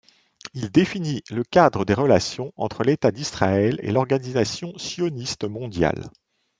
Il définit le cadre des relations entre l'État d'Israël et l'Organisation Sioniste Mondiale.